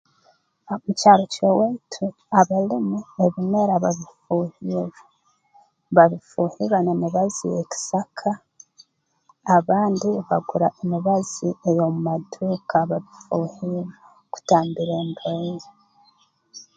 Mu kyaro ky'owaitu abalimi ebimera babifuuhirra babifuuhirra n'emibazi y'ekisaka abandi bagura emibazi ey'omu maduuka babifuuhirra kutangira endwaire